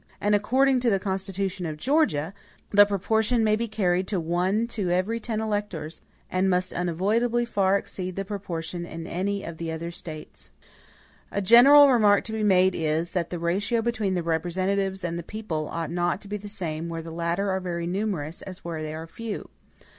And according to the constitution of Georgia, the proportion may be carried to one to every ten electors; and must unavoidably far exceed the proportion in any of the other States. Another general remark to be made is, that the ratio between the representatives and the people ought not to be the same where the latter are very numerous as where they are very few.